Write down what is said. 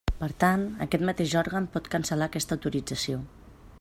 Per tant, aquest mateix òrgan pot cancel·lar aquesta autorització.